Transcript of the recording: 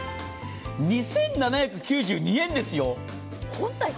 ２７９２円ですよ？